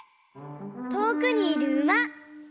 とおくにいるうま。